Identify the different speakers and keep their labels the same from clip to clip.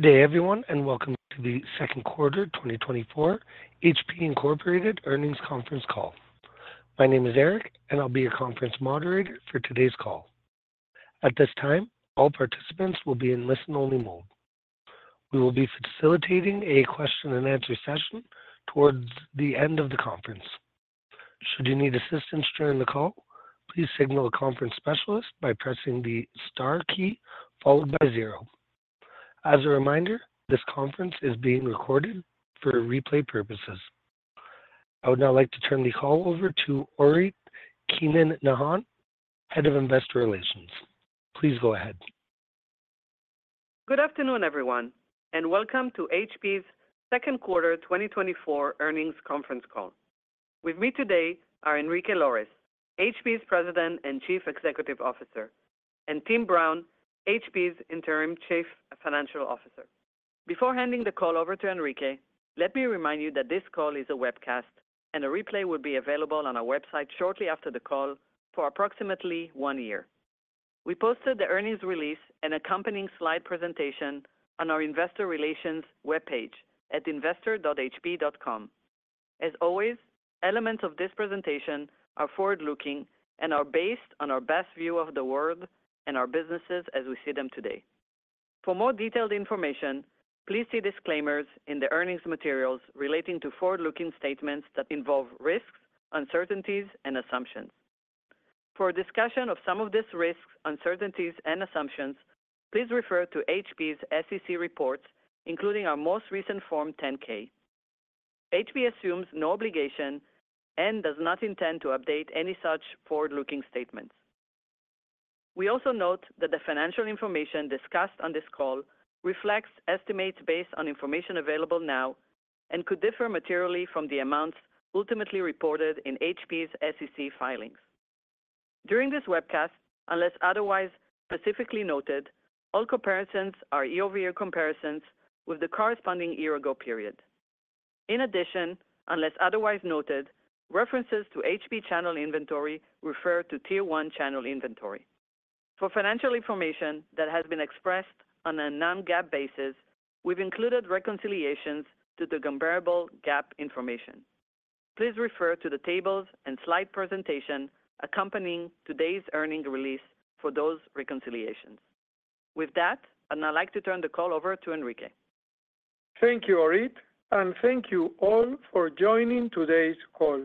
Speaker 1: Good day, everyone, and welcome to the Second Quarter 2024 HP Inc Earnings Conference Call. My name is Eric, and I'll be your conference moderator for today's call. At this time, all participants will be in listen-only mode. We will be facilitating a question-and-answer session towards the end of the conference. Should you need assistance during the call, please signal a conference specialist by pressing the star key followed by zero. As a reminder, this conference is being recorded for replay purposes. I would now like to turn the call over to Orit Keinan-Nahon, Head of Investor Relations. Please go ahead.
Speaker 2: Good afternoon, everyone, and welcome to HP's Second Quarter 2024 Earnings Conference Call. With me today are Enrique Lores, HP's President and Chief Executive Officer, and Tim Brown, HP's Interim Chief Financial Officer. Before handing the call over to Enrique, let me remind you that this call is a webcast and a replay will be available on our website shortly after the call for approximately one year. We posted the earnings release and accompanying slide presentation on our investor relations webpage at investor.hp.com. As always, elements of this presentation are forward-looking and are based on our best view of the world and our businesses as we see them today. For more detailed information, please see disclaimers in the earnings materials relating to forward-looking statements that involve risks, uncertainties and assumptions. For a discussion of some of these risks, uncertainties and assumptions, please refer to HP's SEC reports, including our most recent Form 10-K. HP assumes no obligation and does not intend to update any such forward-looking statements. We also note that the financial information discussed on this call reflects estimates based on information available now and could differ materially from the amounts ultimately reported in HP's SEC filings. During this webcast, unless otherwise specifically noted, all comparisons are year-over-year comparisons with the corresponding year ago period. In addition, unless otherwise noted, references to HP channel inventory refer to Tier 1 channel inventory. For financial information that has been expressed on a non-GAAP basis, we've included reconciliations to the comparable GAAP information. Please refer to the tables and slide presentation accompanying today's earnings release for those reconciliations. With that, I'd now like to turn the call over to Enrique.
Speaker 3: Thank you, Orit, and thank you all for joining today's call.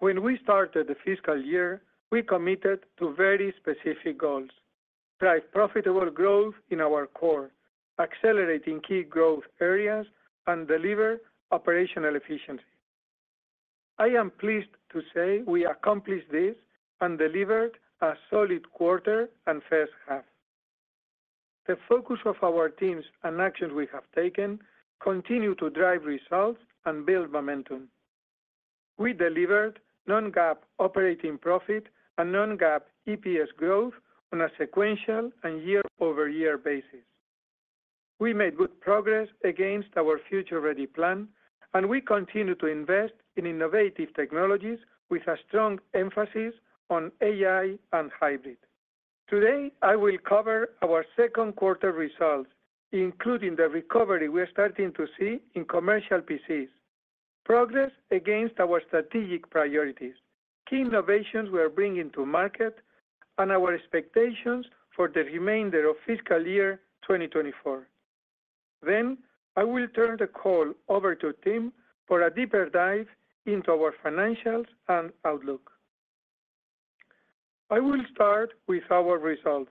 Speaker 3: When we started the fiscal year, we committed to very specific goals: drive profitable growth in our core, accelerating key growth areas, and deliver operational efficiency. I am pleased to say we accomplished this and delivered a solid quarter and first half. The focus of our teams and actions we have taken continue to drive results and build momentum. We delivered non-GAAP operating profit and non-GAAP EPS growth on a sequential and year-over-year basis. We made good progress against our Future Ready plan, and we continue to invest in innovative technologies with a strong emphasis on AI and hybrid. Today, I will cover our second quarter results, including the recovery we are starting to see in commercial PCs, progress against our strategic priorities, key innovations we are bringing to market, and our expectations for the remainder of fiscal year 2024. Then, I will turn the call over to Tim for a deeper dive into our financials and outlook. I will start with our results.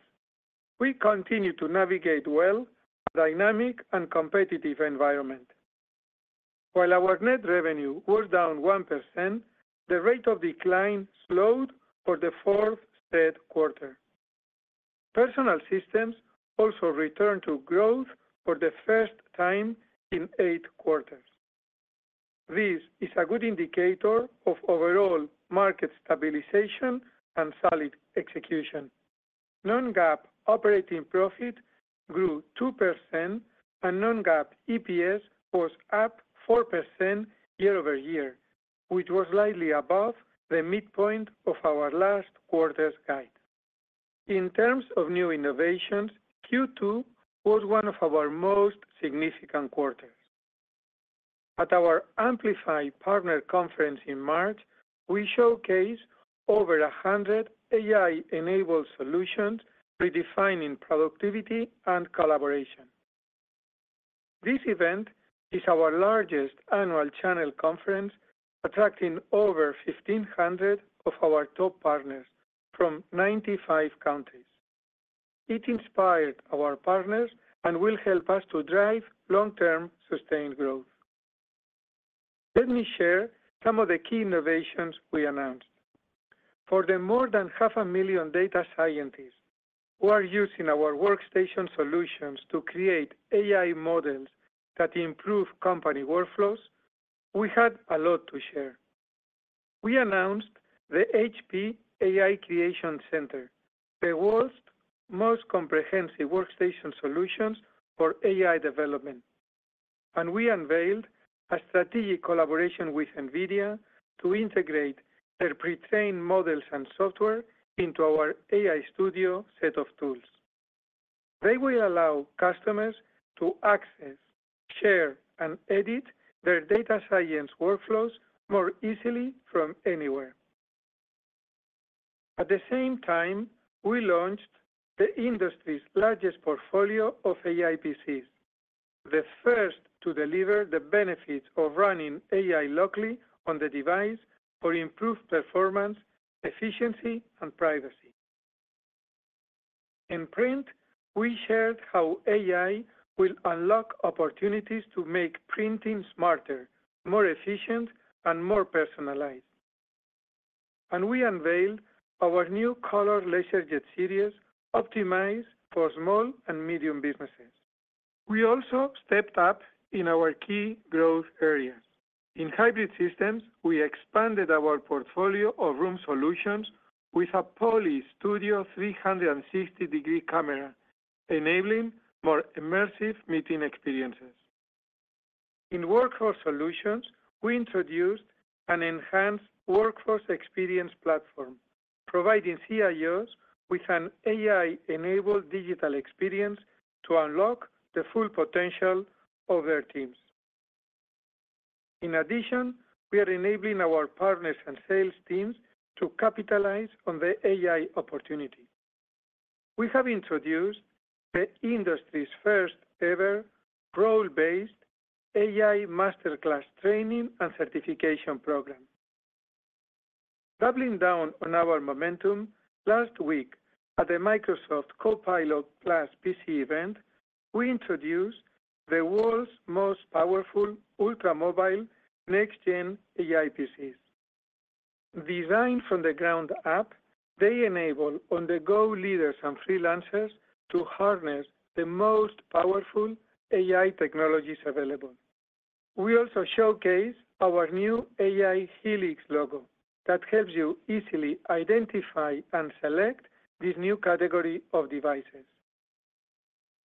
Speaker 3: We continue to navigate well a dynamic and competitive environment. While our net revenue was down 1%, the rate of decline slowed for the 4th straight quarter. Personal Systems also returned to growth for the first time in eight quarters. This is a good indicator of overall market stabilization and solid execution. Non-GAAP operating profit grew 2% and non-GAAP EPS was up 4% year-over-year, which was slightly above the midpoint of our last quarter's guide. In terms of new innovations, Q2 was one of our most significant quarters. At our Amplify Partner Conference in March, we showcased over 100 AI-enabled solutions, redefining productivity and collaboration. This event is our largest annual channel conference, attracting over 1,500 of our top partners from 95 countries. It inspired our partners and will help us to drive long-term, sustained growth. Let me share some of the key innovations we announced. For the more than 500,000 data scientists who are using our workstation solutions to create AI models that improve company workflows, we had a lot to share. We announced the HP AI Creation Center, the world's most comprehensive workstation solutions for AI development. We unveiled a strategic collaboration with NVIDIA to integrate their pre-trained models and software into our AI Studio set of tools. They will allow customers to access, share, and edit their data science workflows more easily from anywhere. At the same time, we launched the industry's largest portfolio of AI PCs, the first to deliver the benefits of running AI locally on the device for improved performance, efficiency, and privacy. In Print, we shared how AI will unlock opportunities to make printing smarter, more efficient, and more personalized. We unveiled our new Color LaserJet series, optimized for small and medium businesses. We also stepped up in our key growth areas. In Hybrid Systems, we expanded our portfolio of room solutions with a Poly Studio 360-degree camera, enabling more immersive meeting experiences. In Workforce Solutions, we introduced an enhanced Workforce Experience Platform, providing CIOs with an AI-enabled digital experience to unlock the full potential of their teams. In addition, we are enabling our partners and sales teams to capitalize on the AI opportunity. We have introduced the industry's first-ever role-based AI Masterclass training and certification program. Doubling down on our momentum, last week, at the Microsoft Copilot+ PC event, we introduced the world's most powerful ultra-mobile next gen AI PCs. Designed from the ground up, they enable on-the-go leaders and freelancers to harness the most powerful AI technologies available. We also showcased our new AI Helix logo that helps you easily identify and select this new category of devices.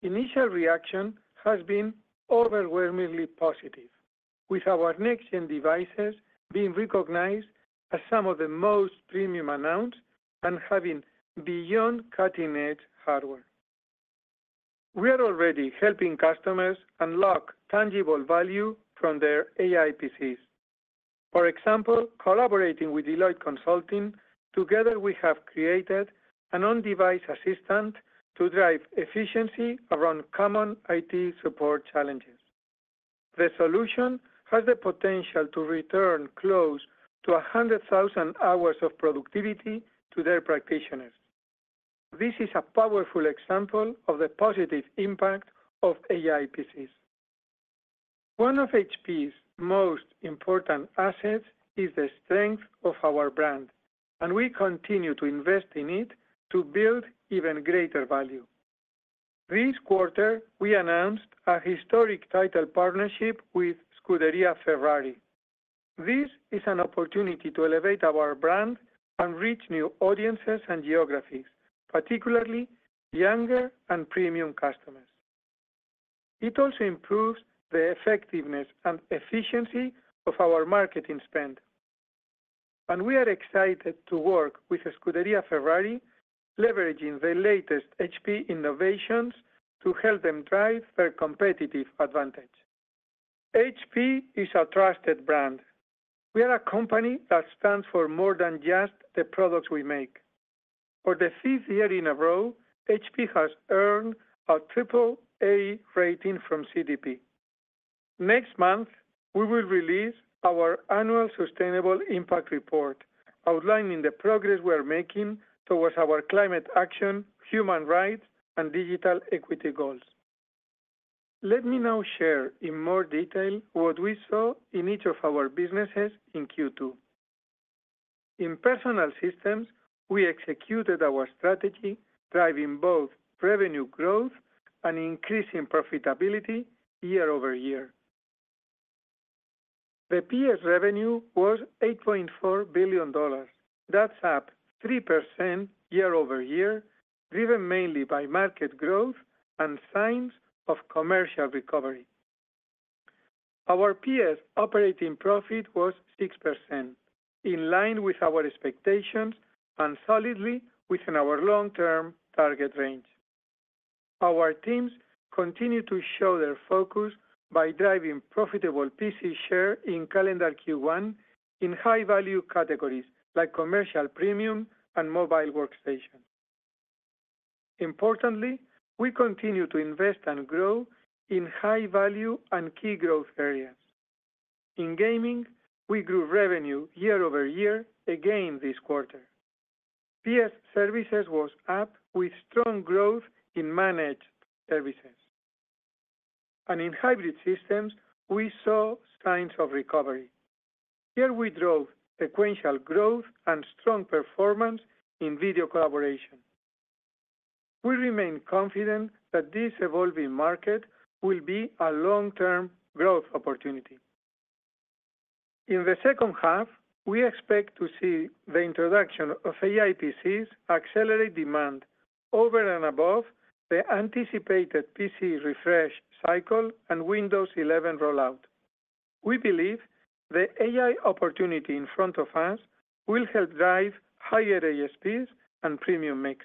Speaker 3: Initial reaction has been overwhelmingly positive, with our next gen devices being recognized as some of the most premium announced and having beyond cutting-edge hardware. We are already helping customers unlock tangible value from their AI PCs. For example, collaborating with Deloitte Consulting, together, we have created an on-device assistant to drive efficiency around common IT support challenges. The solution has the potential to return close to 100,000 hours of productivity to their practitioners. This is a powerful example of the positive impact of AI PCs. One of HP's most important assets is the strength of our brand, and we continue to invest in it to build even greater value. This quarter, we announced a historic title partnership with Scuderia Ferrari. This is an opportunity to elevate our brand and reach new audiences and geographies, particularly younger and premium customers. It also improves the effectiveness and efficiency of our marketing spend. We are excited to work with Scuderia Ferrari, leveraging the latest HP innovations to help them drive their competitive advantage. HP is a trusted brand. We are a company that stands for more than just the products we make. For the fifth year in a row, HP has earned a triple A rating from CDP. Next month, we will release our annual sustainable impact report, outlining the progress we are making towards our climate action, human rights, and digital equity goals. Let me now share in more detail what we saw in each of our businesses in Q2. In Personal Systems, we executed our strategy, driving both revenue growth and increasing profitability year-over-year. The PS revenue was $8.4 billion. That's up 3% year-over-year, driven mainly by market growth and signs of commercial recovery. Our PS operating profit was 6%, in line with our expectations and solidly within our long-term target range. Our teams continue to show their focus by driving profitable PC share in calendar Q1 in high-value categories, like commercial, premium, and mobile workstation. Importantly, we continue to invest and grow in high-value and key growth areas. In Gaming, we grew revenue year-over-year again this quarter. PS Services was up with strong growth in managed services. And in Hybrid Systems, we saw signs of recovery. Here we drove sequential growth and strong performance in video collaboration. We remain confident that this evolving market will be a long-term growth opportunity.... In the second half, we expect to see the introduction of AI PCs accelerate demand over and above the anticipated PC refresh cycle and Windows 11 rollout. We believe the AI opportunity in front of us will help drive higher ASPs and premium mix.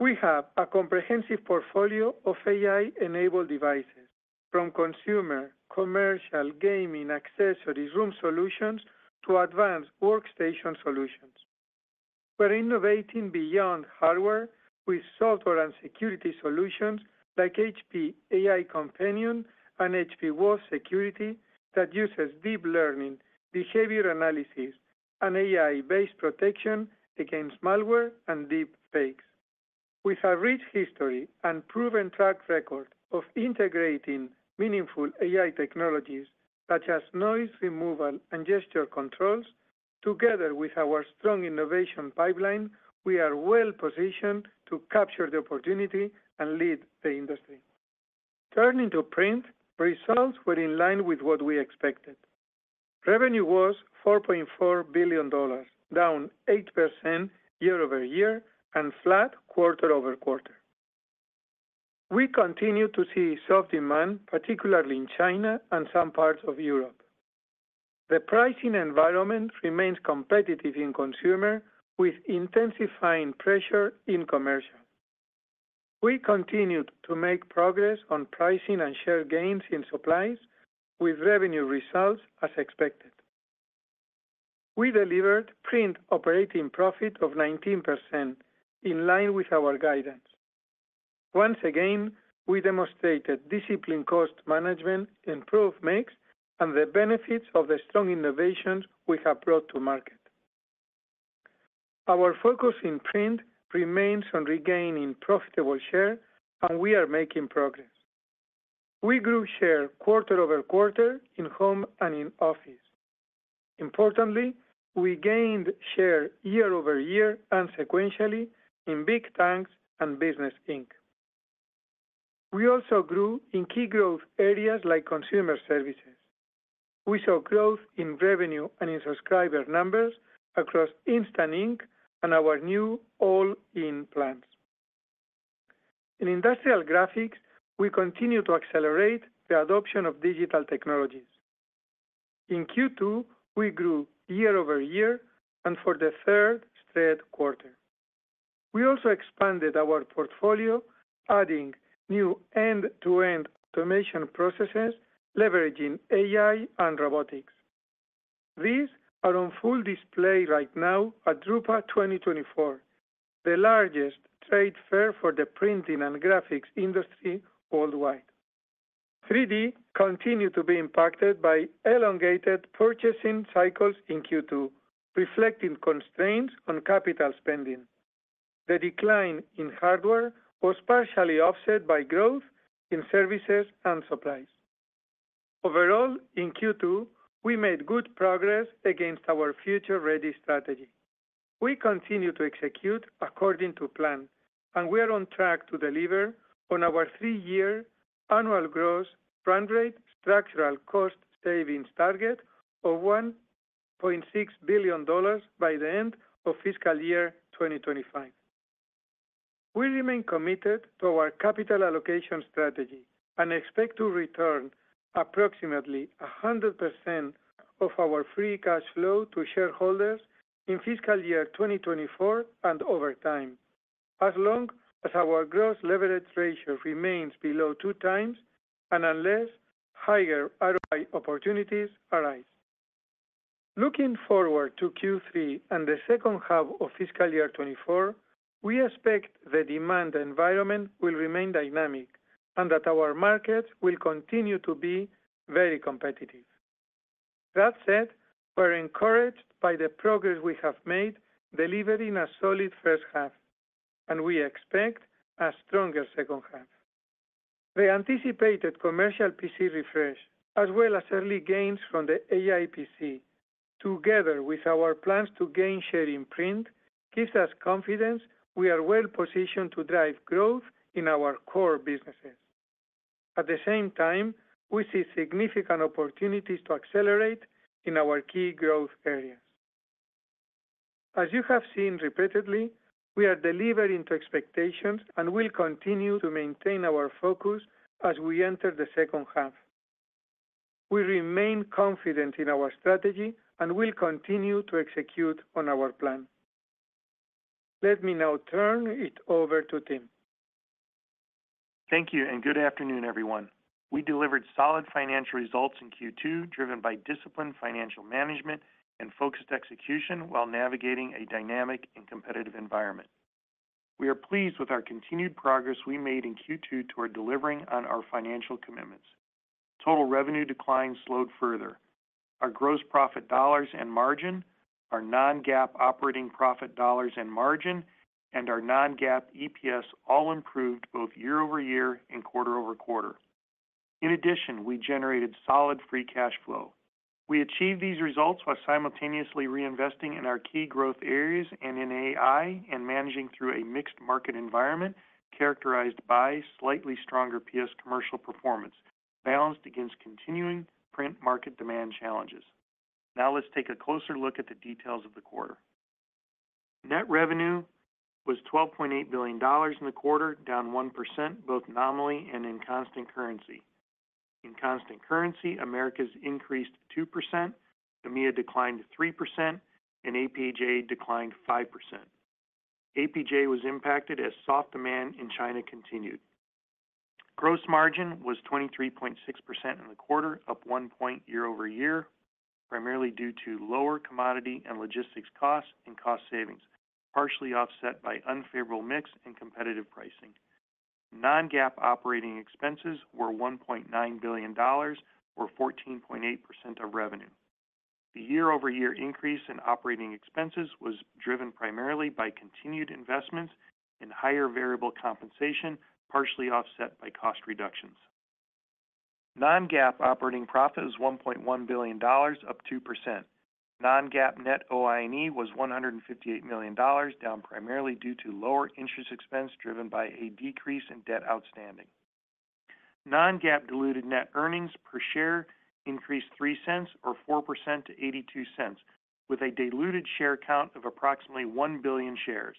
Speaker 3: We have a comprehensive portfolio of AI-enabled devices, from consumer, commercial, Gaming, accessories, room solutions, to advanced workstation solutions. We're innovating beyond hardware with software and security solutions like HP AI Companion and HP Wolf Security, that uses deep learning, behavior analysis, and AI-based protection against malware and deepfakes. With a rich history and proven track record of integrating meaningful AI technologies, such as noise removal and gesture controls, together with our strong innovation pipeline, we are well positioned to capture the opportunity and lead the industry. Turning to Print, results were in line with what we expected. Revenue was $4.4 billion, down 8% year-over-year and flat quarter-over-quarter. We continue to see soft demand, particularly in China and some parts of Europe. The pricing environment remains competitive in consumer, with intensifying pressure in commercial. We continued to make progress on pricing and share gains in supplies with revenue results as expected. We delivered print operating profit of 19%, in line with our guidance. Once again, we demonstrated disciplined cost management, improved mix, and the benefits of the strong innovations we have brought to market. Our focus in Print remains on regaining profitable share, and we are making progress. We grew share quarter-over-quarter in home and in office. Importantly, we gained share year-over-year and sequentially in Big Tanks and Business Ink. We also grew in key growth areas like Consumer Services. We saw growth in revenue and in subscriber numbers across Instant Ink and our new All-In Plans. In Industrial Graphics, we continue to accelerate the adoption of digital technologies. In Q2, we grew year-over-year and for the third straight quarter. We also expanded our portfolio, adding new end-to-end automation processes, leveraging AI and robotics. These are on full display right now at Drupa 2024, the largest trade fair for the printing and graphics industry worldwide. 3D continued to be impacted by elongated purchasing cycles in Q2, reflecting constraints on capital spending. The decline in hardware was partially offset by growth in services and supplies. Overall, in Q2, we made good progress against our Future Ready strategy. We continue to execute according to plan, and we are on track to deliver on our three-year annual gross run rate structural cost savings target of $1.6 billion by the end of fiscal year 2025. We remain committed to our capital allocation strategy and expect to return approximately 100% of our free cash flow to shareholders in fiscal year 2024 and over time, as long as our gross leverage ratio remains below 2x and unless higher ROI opportunities arise. Looking forward to Q3 and the second half of fiscal year 2024, we expect the demand environment will remain dynamic and that our markets will continue to be very competitive. That said, we're encouraged by the progress we have made, delivering a solid first half, and we expect a stronger second half. The anticipated commercial PC refresh, as well as early gains from the AI PC, together with our plans to gain share in Print, gives us confidence we are well positioned to drive growth in our core businesses. At the same time, we see significant opportunities to accelerate in our key growth areas. As you have seen repeatedly, we are delivering to expectations and will continue to maintain our focus as we enter the second half. We remain confident in our strategy and will continue to execute on our plan. Let me now turn it over to Tim.
Speaker 4: Thank you, and good afternoon, everyone. We delivered solid financial results in Q2, driven by disciplined financial management and focused execution, while navigating a dynamic and competitive environment. We are pleased with our continued progress we made in Q2 toward delivering on our financial commitments. Total revenue decline slowed further. Our gross profit dollars and margin, our non-GAAP operating profit dollars and margin, and our non-GAAP EPS all improved both year-over-year and quarter-over-quarter. In addition, we generated solid free cash flow. We achieved these results while simultaneously reinvesting in our key growth areas and in AI, and managing through a mixed market environment characterized by slightly stronger PS commercial performance, balanced against continuing print market demand challenges. Now, let's take a closer look at the details of the quarter. Net revenue was $12.8 billion in the quarter, down 1%, both nominally and in constant currency. In constant currency, Americas increased 2%, EMEA declined 3%, and APJ declined 5%. APJ was impacted as soft demand in China continued. Gross margin was 23.6% in the quarter, up 1 point year-over-year, primarily due to lower commodity and logistics costs and cost savings, partially offset by unfavorable mix and competitive pricing. Non-GAAP operating expenses were $1.9 billion, or 14.8% of revenue. The year-over-year increase in operating expenses was driven primarily by continued investments and higher variable compensation, partially offset by cost reductions. Non-GAAP operating profit was $1.1 billion, up 2%. Non-GAAP net OI&E was $158 million, down primarily due to lower interest expense driven by a decrease in debt outstanding. Non-GAAP diluted net earnings per share increased $0.03 or 4% to $0.82, with a diluted share count of approximately 1 billion shares.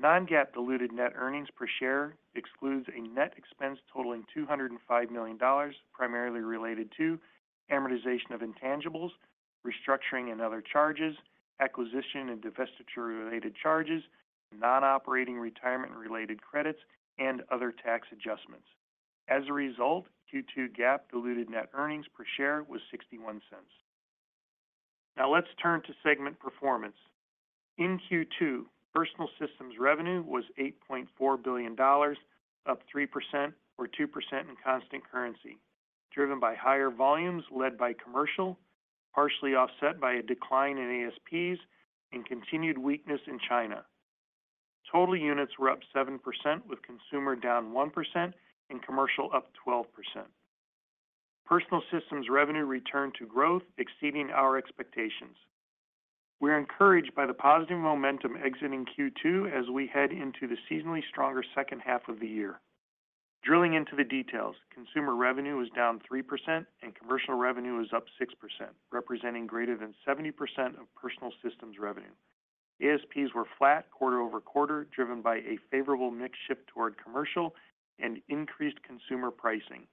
Speaker 4: Non-GAAP diluted net earnings per share excludes a net expense totaling $205 million, primarily related to amortization of intangibles, restructuring and other charges, acquisition and divestiture-related charges, non-operating retirement-related credits, and other tax adjustments. As a result, Q2 GAAP diluted net earnings per share was $0.61. Now let's turn to segment performance. In Q2, Personal Systems revenue was $8.4 billion, up 3% or 2% in constant currency, driven by higher volumes led by commercial, partially offset by a decline in ASPs and continued weakness in China. Total units were up 7%, with consumer down 1% and commercial up 12%. Personal Systems revenue returned to growth, exceeding our expectations. We're encouraged by the positive momentum exiting Q2 as we head into the seasonally stronger second half of the year. Drilling into the details, consumer revenue was down 3% and commercial revenue was up 6%, representing greater than 70% of Personal Systems revenue. ASPs were flat quarter-over-quarter, driven by a favorable mix shift toward commercial and increased consumer pricing,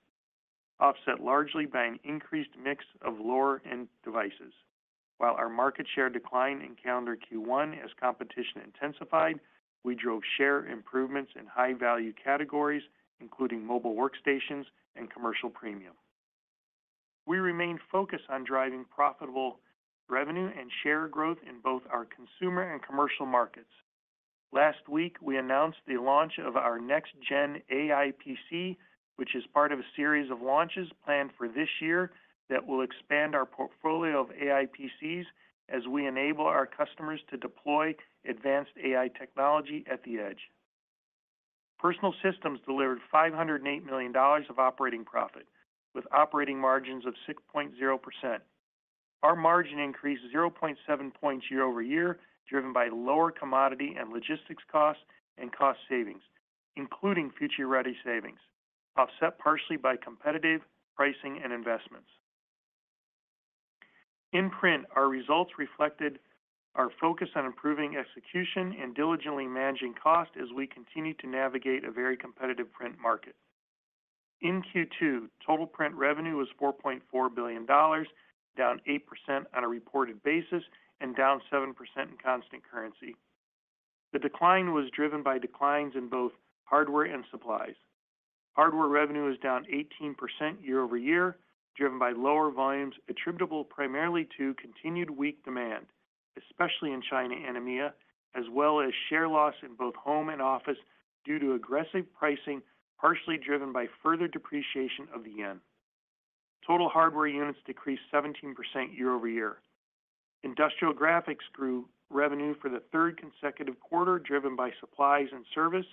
Speaker 4: offset largely by an increased mix of lower-end devices. While our market share declined in calendar Q1 as competition intensified, we drove share improvements in high-value categories, including mobile workstations and commercial premium. We remain focused on driving profitable revenue and share growth in both our consumer and commercial markets. Last week, we announced the launch of our next-gen AI PC, which is part of a series of launches planned for this year that will expand our portfolio of AI PCs as we enable our customers to deploy advanced AI technology at the edge. Personal Systems delivered $508 million of operating profit, with operating margins of 6.0%. Our margin increased 0.7 points year-over-year, driven by lower commodity and logistics costs and cost savings, including Future Ready savings, offset partially by competitive pricing and investments. In Print, our results reflected our focus on improving execution and diligently managing cost as we continue to navigate a very competitive print market. In Q2, total Print revenue was $4.4 billion, down 8% on a reported basis and down 7% in constant currency. The decline was driven by declines in both hardware and supplies. Hardware revenue is down 18% year-over-year, driven by lower volumes attributable primarily to continued weak demand, especially in China and EMEA, as well as share loss in both home and office due to aggressive pricing, partially driven by further depreciation of the yen. Total hardware units decreased 17% year-over-year. Industrial Graphics grew revenue for the third consecutive quarter, driven by supplies and service,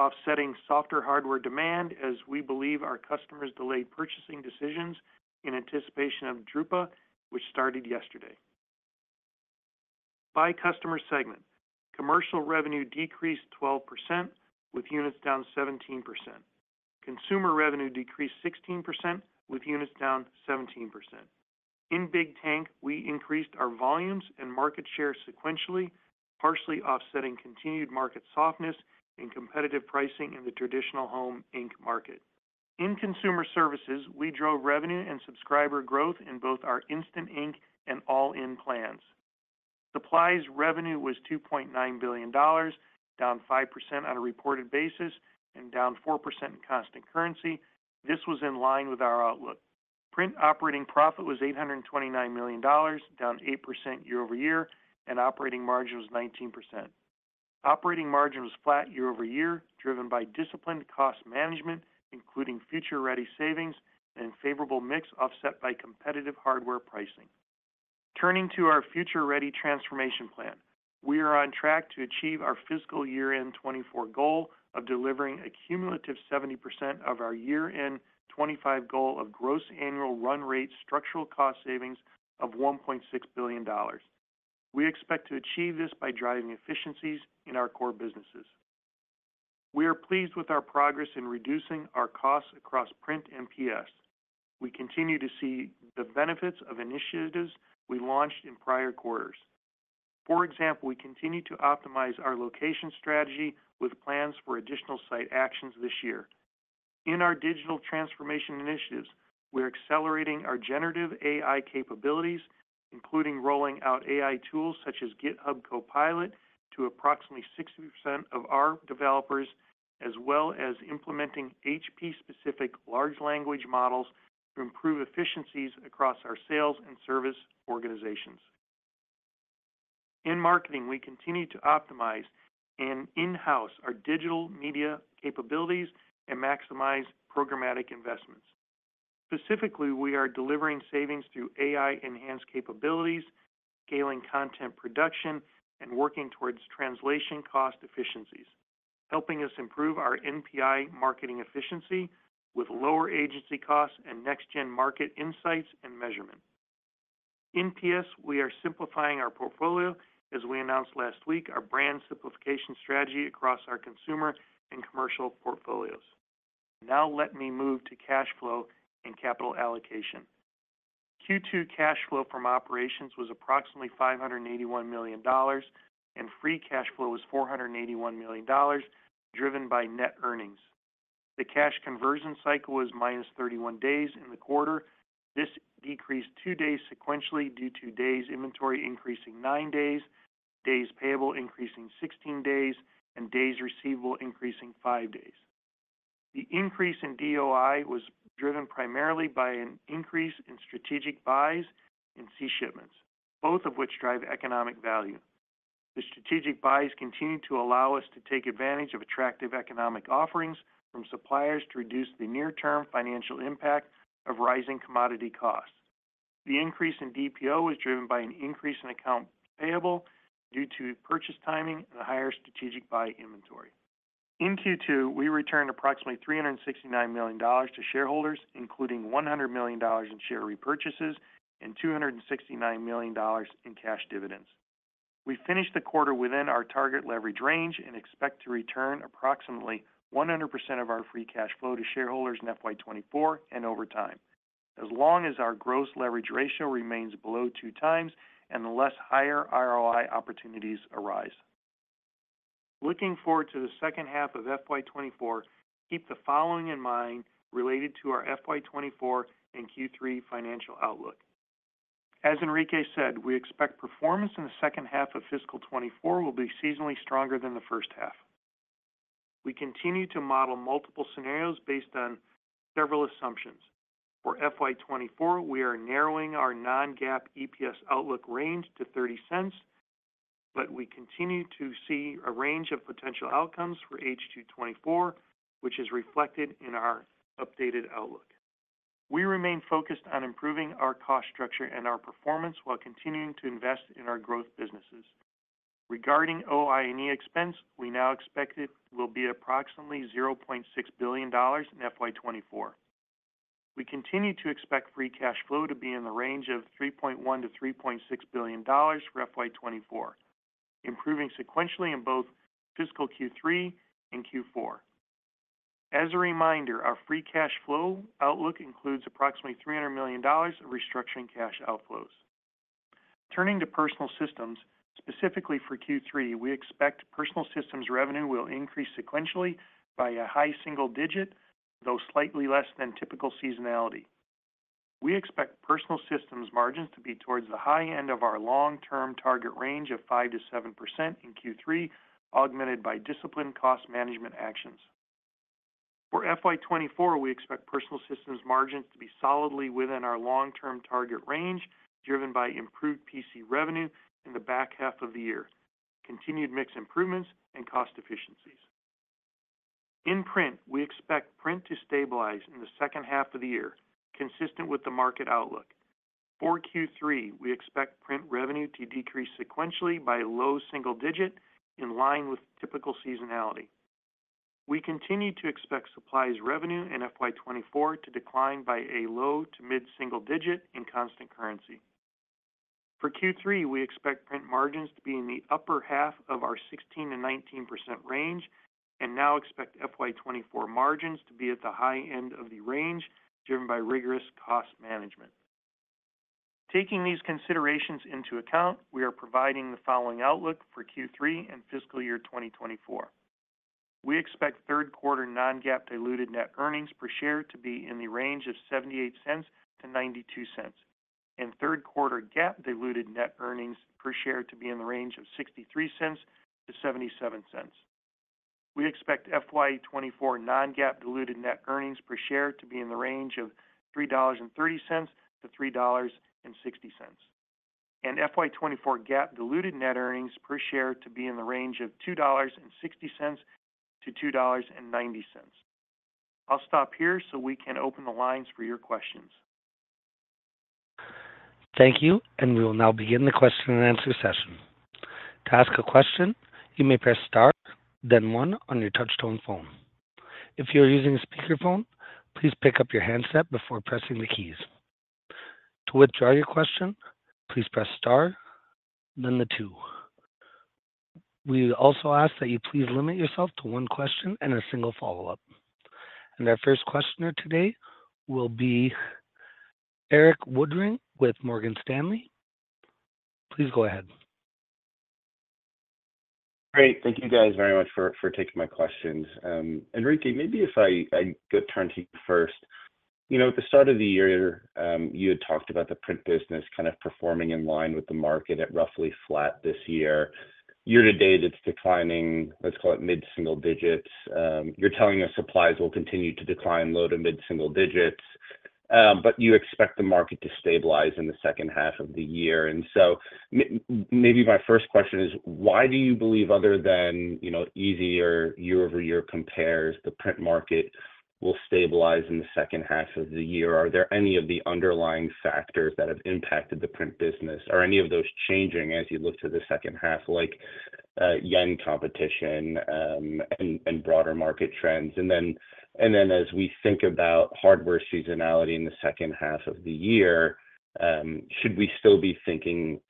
Speaker 4: offsetting softer hardware demand as we believe our customers delayed purchasing decisions in anticipation of Drupa, which started yesterday. By customer segment, commercial revenue decreased 12%, with units down 17%. Consumer revenue decreased 16%, with units down 17%. In Big Tank, we increased our volumes and market share sequentially, partially offsetting continued market softness and competitive pricing in the traditional home ink market. In Consumer Services, we drove revenue and subscriber growth in both our Instant Ink and All-In Plans. Supplies revenue was $2.9 billion, down 5% on a reported basis and down 4% in constant currency. This was in line with our outlook. Print operating profit was $829 million, down 8% year-over-year, and operating margin was 19%. Operating margin was flat year-over-year, driven by disciplined cost management, including Future Ready savings and favorable mix, offset by competitive hardware pricing. Turning to our Future Ready transformation plan, we are on track to achieve our fiscal year-end 2024 goal of delivering a cumulative 70% of our year-end 2025 goal of gross annual run rate structural cost savings of $1.6 billion. We expect to achieve this by driving efficiencies in our core businesses.... We are pleased with our progress in reducing our costs across Print and PS. We continue to see the benefits of initiatives we launched in prior quarters. For example, we continue to optimize our location strategy with plans for additional site actions this year. In our digital transformation initiatives, we're accelerating our generative AI capabilities, including rolling out AI tools such as GitHub Copilot, to approximately 60% of our developers, as well as implementing HP-specific large language models to improve efficiencies across our sales and service organizations. In marketing, we continue to optimize and in-house our digital media capabilities and maximize programmatic investments. Specifically, we are delivering savings through AI-enhanced capabilities, scaling content production, and working towards translation cost efficiencies, helping us improve our NPI marketing efficiency with lower agency costs and next-gen market insights and measurement. In PS, we are simplifying our portfolio, as we announced last week, our brand simplification strategy across our consumer and commercial portfolios. Now let me move to cash flow and capital allocation. Q2 cash flow from operations was approximately $581 million, and free cash flow was $481 million, driven by net earnings. The cash conversion cycle was -31 days in the quarter. This decreased two days sequentially due to days inventory increasing nine days, days payable increasing 16 days, and days receivable increasing five days. The increase in DOI was driven primarily by an increase in strategic buys and sea shipments, both of which drive economic value. The strategic buys continue to allow us to take advantage of attractive economic offerings from suppliers to reduce the near-term financial impact of rising commodity costs. The increase in DPO was driven by an increase in accounts payable due to purchase timing and a higher strategic buy inventory. In Q2, we returned approximately $369 million to shareholders, including $100 million in share repurchases and $269 million in cash dividends. We finished the quarter within our target leverage range and expect to return approximately 100% of our free cash flow to shareholders in FY 2024 and over time, as long as our gross leverage ratio remains below 2x and the less higher ROI opportunities arise. Looking forward to the second half of FY 2024, keep the following in mind related to our FY 2024 and Q3 financial outlook. As Enrique said, we expect performance in the second half of fiscal 2024 will be seasonally stronger than the first half. We continue to model multiple scenarios based on several assumptions. For FY 2024, we are narrowing our non-GAAP EPS outlook range to $0.30, but we continue to see a range of potential outcomes for H2 2024, which is reflected in our updated outlook. We remain focused on improving our cost structure and our performance while continuing to invest in our Growth Businesses. Regarding OI&E expense, we now expect it will be approximately $0.6 billion in FY 2024. We continue to expect free cash flow to be in the range of $3.1 billion-$3.6 billion for FY 2024, improving sequentially in both fiscal Q3 and Q4. As a reminder, our free cash flow outlook includes approximately $300 million of restructuring cash outflows. Turning to Personal Systems, specifically for Q3, we expect Personal Systems revenue will increase sequentially by a high single-digit, though slightly less than typical seasonality. We expect Personal Systems margins to be towards the high end of our long-term target range of 5%-7% in Q3, augmented by disciplined cost management actions. For FY 2024, we expect Personal Systems margins to be solidly within our long-term target range, driven by improved PC revenue in the back half of the year, continued mix improvements, and cost efficiencies. In Print, we expect Print to stabilize in the second half of the year, consistent with the market outlook. For Q3, we expect Print revenue to decrease sequentially by low single-digit, in line with typical seasonality. We continue to expect Supplies revenue in FY 2024 to decline by a low- to mid-single-digit in constant currency. For Q3, we expect Print margins to be in the upper half of our 16%-19% range and now expect FY 2024 margins to be at the high end of the range, driven by rigorous cost management. Taking these considerations into account, we are providing the following outlook for Q3 and fiscal year 2024. We expect third quarter non-GAAP diluted net earnings per share to be in the range of $0.78-$0.92, and third quarter GAAP diluted net earnings per share to be in the range of $0.63-$0.77. We expect FY 2024 non-GAAP diluted net earnings per share to be in the range of $3.30-$3.60, and FY 2024 GAAP diluted net earnings per share to be in the range of $2.60-$2.90. I'll stop here so we can open the lines for your questions.
Speaker 1: Thank you, and we will now begin the question-and-answer session. To ask a question, you may press star, then one on your touchtone phone. If you are using a speakerphone, please pick up your handset before pressing the keys. To withdraw your question, please press star, then the two. We also ask that you please limit yourself to one question and a single follow-up. Our first questioner today will be Erik Woodring with Morgan Stanley. Please go ahead.
Speaker 5: Great. Thank you guys very much for taking my questions. Enrique, maybe if I turn to you first. You know, at the start of the year, you had talked about the print business kind of performing in line with the market at roughly flat this year. Year-to-date, it's declining, let's call it mid-single digits. You're telling us supplies will continue to decline low to mid-single digits, but you expect the market to stabilize in the second half of the year. And so maybe my first question is, why do you believe, other than, you know, easier year-over-year compares, the print market will stabilize in the second half of the year? Are there any of the underlying factors that have impacted the print business? Are any of those changing as you look to the second half, like, yen competition, and broader market trends? And then as we think about hardware seasonality in the second half of the year, should we still be thinking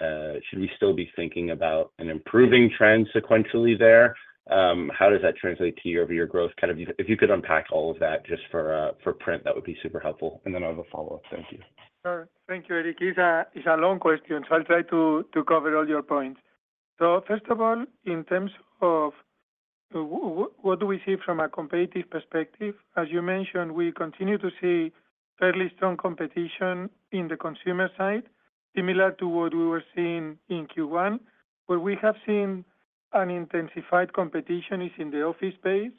Speaker 5: about an improving trend sequentially there? How does that translate to year-over-year growth? Kind of, if you could unpack all of that just for print, that would be super helpful. And then I'll have a follow-up. Thank you.
Speaker 3: Sure. Thank you, Eric. It's a, it's a long question, so I'll try to cover all your points. So first of all, in terms of what do we see from a competitive perspective? As you mentioned, we continue to see fairly strong competition in the consumer side, similar to what we were seeing in Q1, where we have seen an intensified competition is in the office space,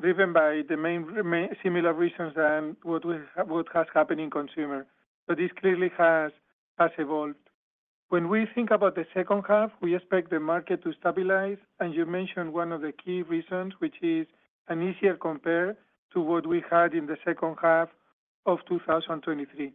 Speaker 3: driven by the main, similar reasons than what has happened in consumer. So this clearly has evolved. When we think about the second half, we expect the market to stabilize, and you mentioned one of the key reasons, which is an easier compare to what we had in the second half of 2023.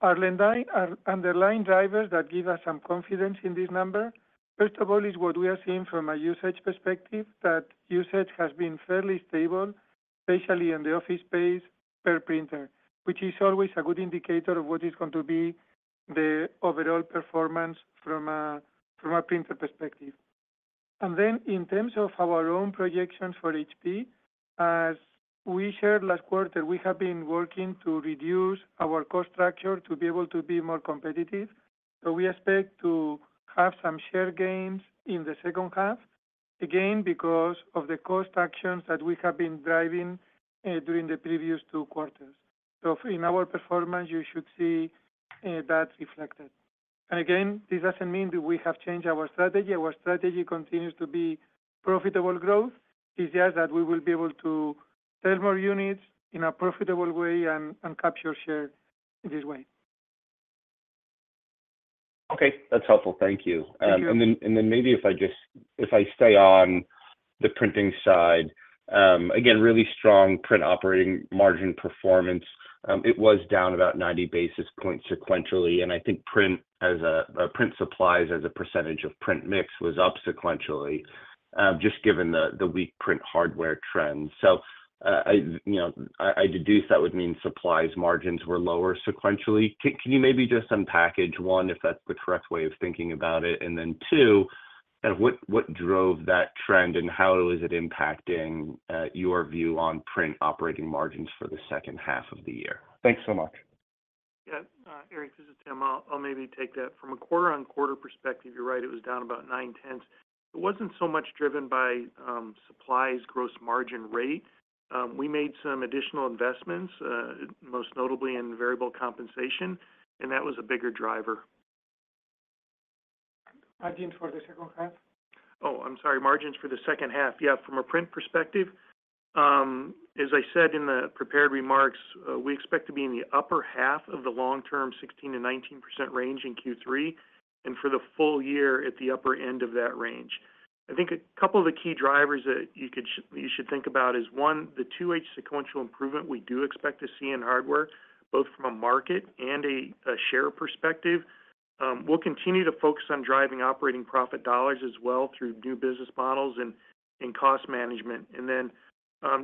Speaker 3: Our underlying drivers that give us some confidence in this number, first of all, is what we are seeing from a usage perspective, that usage has been fairly stable, especially in the office space, per printer, which is always a good indicator of what is going to be the overall performance from a, from a printer perspective. And then, in terms of our own projections for HP, as we shared last quarter, we have been working to reduce our cost structure to be able to be more competitive. So we expect to have some share gains in the second half, again, because of the cost actions that we have been driving during the previous two quarters. So in our performance, you should see that reflected. And again, this doesn't mean that we have changed our strategy. Our strategy continues to be profitable growth. It's just that we will be able to sell more units in a profitable way and capture share this way.
Speaker 5: Okay, that's helpful. Thank you.
Speaker 3: Thank you.
Speaker 5: And then maybe if I stay on the printing side, again, really strong print operating margin performance. It was down about 90 basis points sequentially, and I think print supplies as a percentage of print mix was up sequentially, just given the weak print hardware trends. So, you know, I deduce that would mean supplies margins were lower sequentially. Can you maybe just unpack, one, if that's the correct way of thinking about it, and then two, kind of what drove that trend, and how is it impacting your view on print operating margins for the second half of the year? Thanks so much.
Speaker 4: Yeah, Eric, this is Tim. I'll, I'll maybe take that. From a quarter-on-quarter perspective, you're right, it was down about nine-tenths. It wasn't so much driven by, supplies gross margin rate. We made some additional investments, most notably in variable compensation, and that was a bigger driver.
Speaker 3: Margins for the second half.
Speaker 4: Oh, I'm sorry, margins for the second half. Yeah, from a print perspective, as I said in the prepared remarks, we expect to be in the upper half of the long-term 16%-19% range in Q3, and for the full year, at the upper end of that range. I think a couple of the key drivers that you could you should think about is, one, the 2H sequential improvement we do expect to see in hardware, both from a market and a share perspective. We'll continue to focus on driving operating profit dollars as well through new business models and cost management. And then,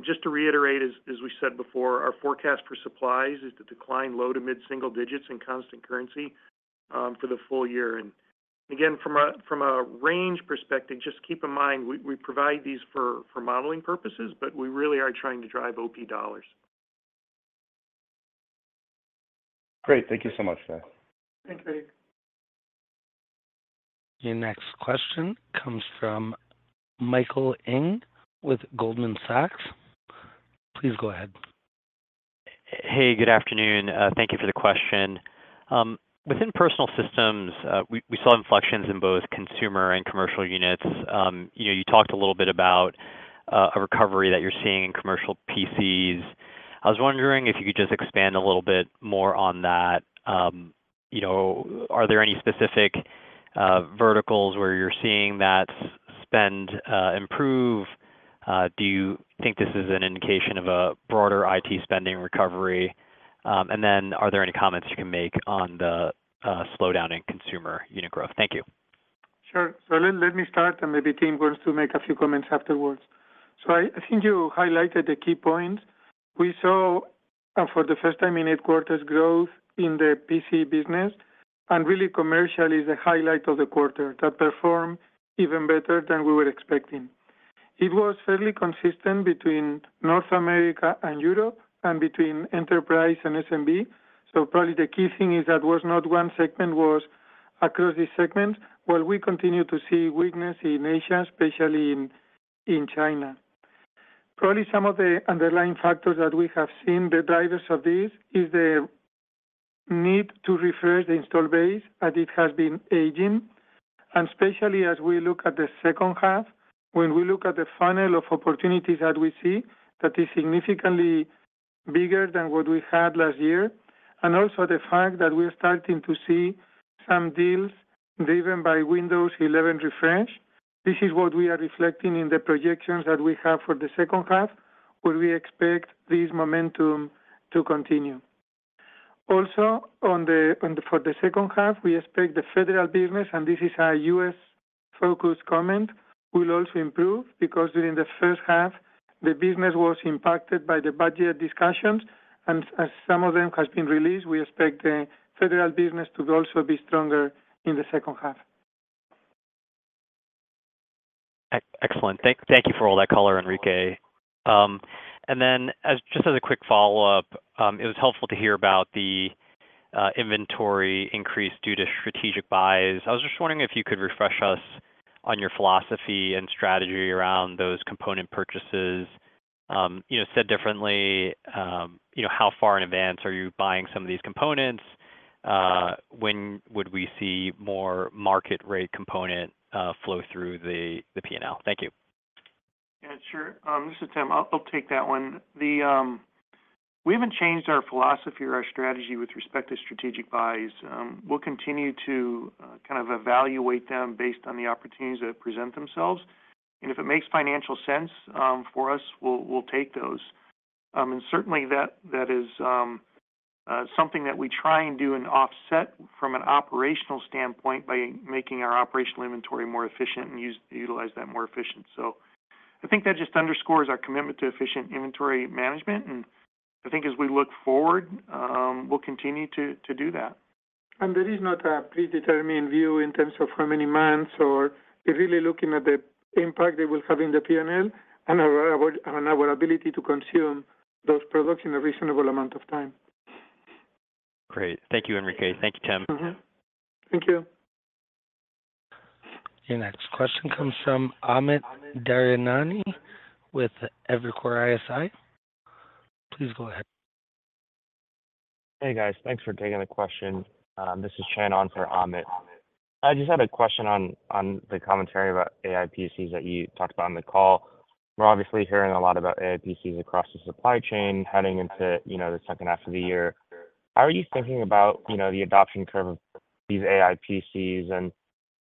Speaker 4: just to reiterate, as we said before, our forecast for supplies is to decline low- to mid-single digits in constant currency, for the full year. And again, from a range perspective, just keep in mind, we provide these for modeling purposes, but we really are trying to drive OP dollars.
Speaker 5: Great. Thank you so much, sir.
Speaker 3: Thanks, Eric.
Speaker 1: Your next question comes from Michael Ng with Goldman Sachs. Please go ahead.
Speaker 6: Hey, good afternoon. Thank you for the question. Within personal systems, we saw inflections in both consumer and commercial units. You know, you talked a little bit about a recovery that you're seeing in commercial PCs. I was wondering if you could just expand a little bit more on that. You know, are there any specific verticals where you're seeing that spend improve? Do you think this is an indication of a broader IT spending recovery? And then are there any comments you can make on the slowdown in consumer unit growth? Thank you.
Speaker 3: Sure. So let me start, and maybe Tim wants to make a few comments afterwards. So I think you highlighted the key points. We saw, for the first time in eight quarters, growth in the PC business, and really, commercial is the highlight of the quarter, that performed even better than we were expecting. It was fairly consistent between North America and Europe and between enterprise and SMB. So probably the key thing is that was not one segment, was across the segment, while we continue to see weakness in Asia, especially in China. Probably some of the underlying factors that we have seen, the drivers of this, is the need to refresh the install base, as it has been aging, and especially as we look at the second half, when we look at the funnel of opportunities that we see, that is significantly bigger than what we had last year, and also the fact that we are starting to see some deals driven by Windows 11 refresh. This is what we are reflecting in the projections that we have for the second half, where we expect this momentum to continue. Also, for the second half, we expect the federal business, and this is our U.S.-focused comment, will also improve, because during the first half, the business was impacted by the budget discussions, and as some of them has been released, we expect the federal business to also be stronger in the second half.
Speaker 6: Excellent. Thank you for all that color, Enrique. And then, just as a quick follow-up, it was helpful to hear about the inventory increase due to strategic buys. I was just wondering if you could refresh us on your philosophy and strategy around those component purchases. You know, said differently, you know, how far in advance are you buying some of these components? When would we see more market rate component flow through the P&L? Thank you.
Speaker 4: Yeah, sure. This is Tim. I'll take that one. We haven't changed our philosophy or our strategy with respect to strategic buys. We'll continue to kind of evaluate them based on the opportunities that present themselves, and if it makes financial sense for us, we'll take those. And certainly that is something that we try and do and offset from an operational standpoint by making our operational inventory more efficient and utilize that more efficient. So I think that just underscores our commitment to efficient inventory management, and I think as we look forward, we'll continue to do that.
Speaker 3: There is not a predetermined view in terms of how many months, or we're really looking at the impact they will have in the P&L and our ability to consume those products in a reasonable amount of time.
Speaker 6: Great. Thank you, Enrique. Thank you, Tim.
Speaker 3: Mm-hmm. Thank you.
Speaker 1: Your next question comes from Amit Daryanani with Evercore ISI. Please go ahead.
Speaker 7: Hey, guys. Thanks for taking the question. This is Chan on for Amit. I just had a question on the commentary about AI PCs that you talked about on the call. We're obviously hearing a lot about AI PCs across the supply chain, heading into, you know, the second half of the year. How are you thinking about, you know, the adoption curve of these AI PCs? And,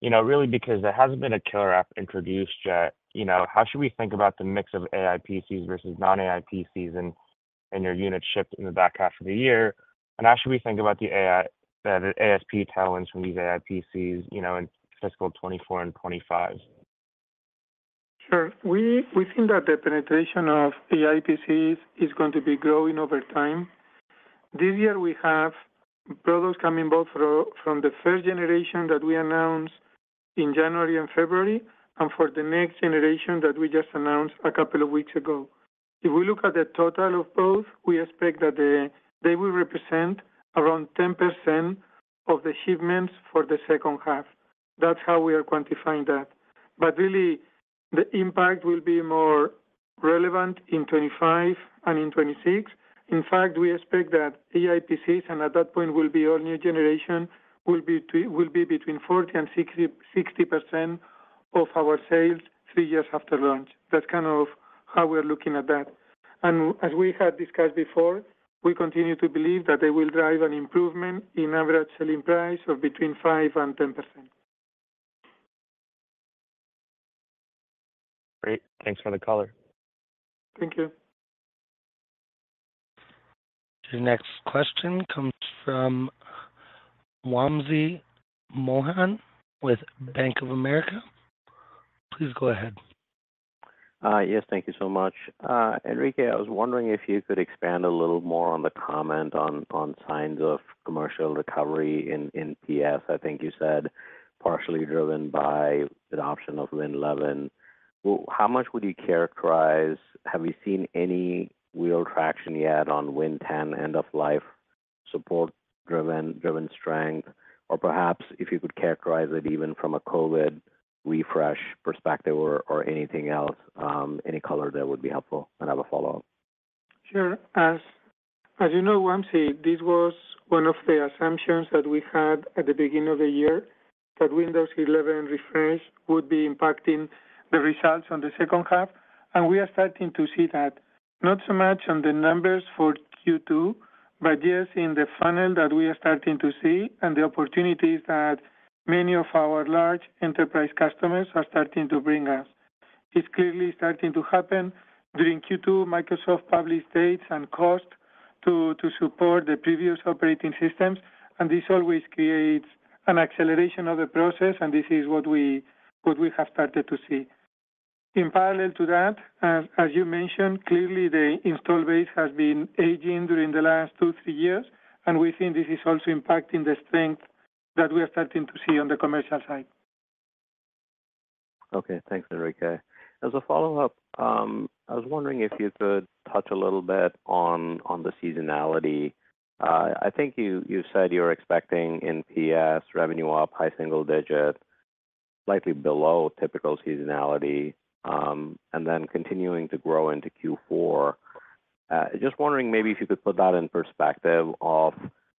Speaker 7: you know, really because there hasn't been a killer app introduced yet, you know, how should we think about the mix of AI PCs versus non-AI PCs and your unit shipped in the back half of the year? And how should we think about the AI, the ASP tailwinds from these AI PCs, you know, in fiscal 2024 and 2025?
Speaker 3: Sure. We think that the penetration of AI PCs is going to be growing over time. This year we have products coming both through from the first generation that we announced in January and February, and for the next generation that we just announced a couple of weeks ago. If we look at the total of both, we expect that they will represent around 10% of the shipments for the second half. That's how we are quantifying that. But really, the impact will be more relevant in 2025 and in 2026. In fact, we expect that AI PCs, and at that point will be all new generation, will be between 40% and 60% of our sales three years after launch. That's kind of how we're looking at that. As we had discussed before, we continue to believe that they will drive an improvement in average selling price of between 5% and 10%.
Speaker 7: Great. Thanks for the color.
Speaker 3: Thank you.
Speaker 1: The next question comes from Wamsi Mohan with Bank of America. Please go ahead.
Speaker 8: Yes, thank you so much. Enrique, I was wondering if you could expand a little more on the comment on signs of commercial recovery in PS. I think you said partially driven by the adoption of Windows 11. How much would you characterize? Have you seen any wheel traction yet on Windows 10 end of life, support driven strength? Or perhaps if you could characterize it even from a Covid refresh perspective or anything else, any color there would be helpful. And I have a follow-up.
Speaker 3: Sure. As you know, Wamsi, this was one of the assumptions that we had at the beginning of the year, that Windows 11 refresh would be impacting the results in the second half. And we are starting to see that, not so much on the numbers for Q2, but yes, in the funnel that we are starting to see and the opportunities that many of our large enterprise customers are starting to bring us. It's clearly starting to happen. During Q2, Microsoft published dates and cost to support the previous operating systems, and this always creates an acceleration of the process, and this is what we have started to see. In parallel to that, as you mentioned, clearly the installed base has been aging during the last two, three-years, and we think this is also impacting the strength that we are starting to see on the commercial side.
Speaker 8: Okay. Thanks, Enrique. As a follow-up, I was wondering if you could touch a little bit on the seasonality. I think you said you're expecting NPS revenue up high single digits%, slightly below typical seasonality, and then continuing to grow into Q4. Just wondering maybe if you could put that in perspective of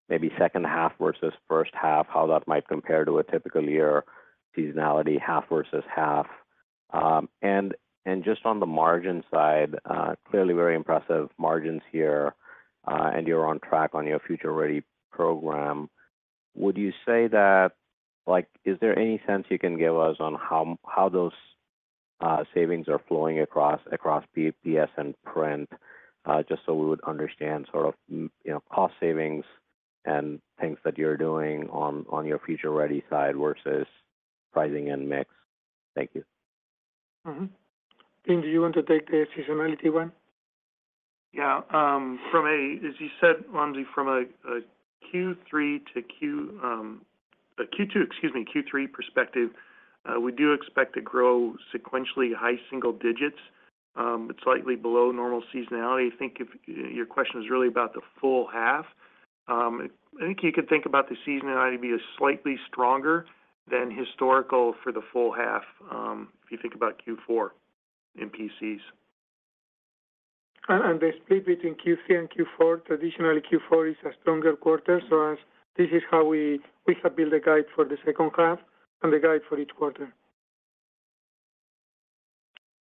Speaker 8: maybe second half versus first half, how that might compare to a typical year, seasonality, half versus half. And just on the margin side, clearly very impressive margins here, and you're on track on your Future Ready program. Would you say that—like, is there any sense you can give us on how those savings are flowing across PS and Print? Just so we would understand sort of, you know, cost savings and things that you're doing on your Future Ready side versus pricing and mix. Thank you.
Speaker 3: Mm-hmm. Tim, do you want to take the seasonality one?
Speaker 4: Yeah, from a... As you said, Wamsi, from a, Q3 to Q2, excuse me, Q3 perspective, we do expect to grow sequentially high single digits, but slightly below normal seasonality. I think if your question is really about the full half, I think you could think about the seasonality be as slightly stronger than historical for the full half, if you think about Q4 in PCs.
Speaker 3: And the split between Q3 and Q4, traditionally, Q4 is a stronger quarter, so as this is how we have built a guide for the second half and the guide for each quarter.